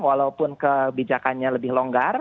walaupun kebijakannya lebih longgar